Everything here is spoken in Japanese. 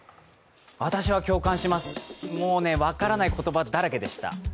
私は共感します、もう分からない言葉だらけでした。